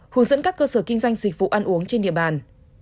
hướng dẫn các cơ sở kinh doanh dịch vụ ăn uống trên địa bàn